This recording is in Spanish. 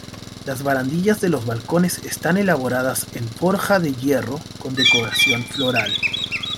Las barandillas de los balcones están elaboradas en forja de hierro con decoración floral.